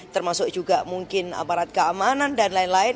termasuk juga mungkin aparat keamanan dan lain lain